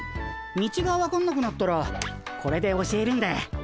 道が分かんなくなったらこれで教えるんで。